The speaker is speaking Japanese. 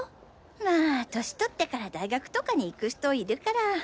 まあ年とってから大学とかに行く人いるから。